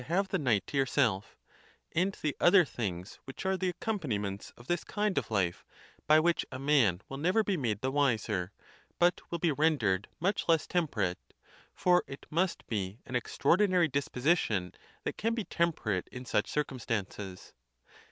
have the night to yourself, and the other things which are the accompaniments of this kind of life, by which a man will never be made the wiser, but will be rendered much less temperate; for it must be an extraordinary disposi tion that can be temperate in such circumstances."